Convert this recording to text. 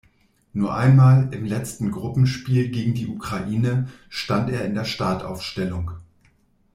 Nur einmal, im letzten Gruppenspiel gegen die Ukraine, stand er in der Startaufstellung.